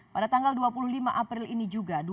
pada tanggal dua puluh lima april ini juga